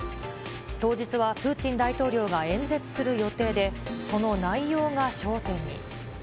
当日はプーチン大統領が演説する予定で、その内容が焦点に。